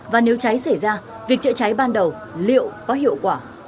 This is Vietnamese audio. và nếu cháy xảy ra việc chữa cháy ban đầu liệu có hiệu quả